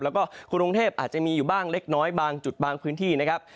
แล้วก็กรุงเทพอาจจะมีอยู่บ้างเล็กน้อยบางจุดบางพื้นที่นะครับ